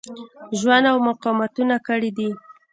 ژوند او مقاومتونه کړي دي.